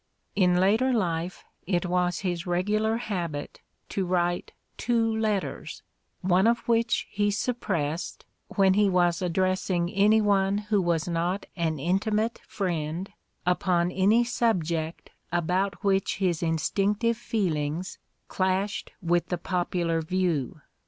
In later life it was his regular habit to write two letters, one of which he suppressed, when he was addressing any one who was not an intimate friend upon any subject about which his instinctive feelings clashed with the popular view.